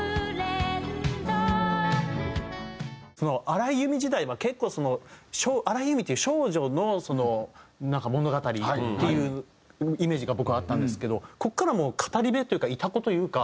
荒井由実時代は結構その荒井由実っていう少女のなんか物語っていうイメージが僕はあったんですけどここからはもう語り部というかイタコというか。